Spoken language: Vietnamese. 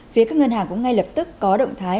phía các ngân hàng cũng ngay lập tức có động thái